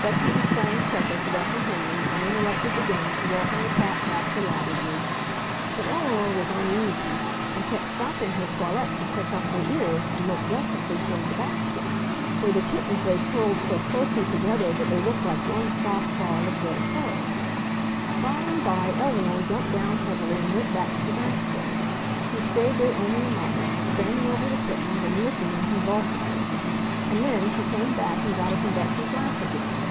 Betsy was playing checkers with Uncle Henry and interrupted the game to welcome the cat back delightedly. But Eleanor was uneasy, and kept stopping her toilet to prick up her ears and look restlessly toward the basket, where the kittens lay curled so closely together that they looked like one soft ball of gray fur. By and by Eleanor jumped down heavily and went back to the basket. She stayed there only a moment, standing over the kittens and licking them convulsively, and then she came back and got up in Betsy's lap again.